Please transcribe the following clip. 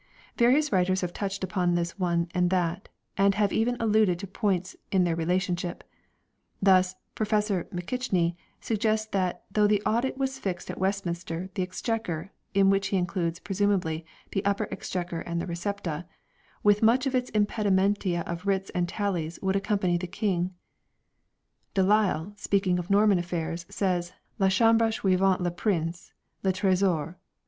Various writers have touched upon this one and that, and have even alluded to points in their relationship. Thus Prof. McKechnie suggests that though the Audit was fixed at Westminster the Exchequer (in which he includes, presumably, the Upper Exchequer and the " Recepta") "with much of its impedimenta of writs and tallies would accompany the King ": 2 Delisle, 3 speaking of Norman affairs, says " la Chambre Suivait le prince : le tresor